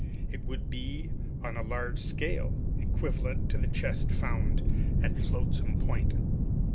It would be, on a large scale, equivalent to the chest found at Flotsam Point.